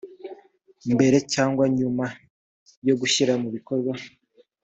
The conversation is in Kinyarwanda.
mbere cyangwa nyuma yo gushyira mu bikorwa